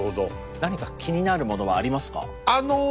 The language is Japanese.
何か気になるものはありますか？